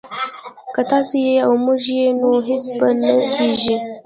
که تاسو يئ او موږ يو نو هيڅ به نه کېږي